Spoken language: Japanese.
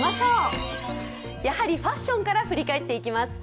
やはりファッションから振り返っていきます。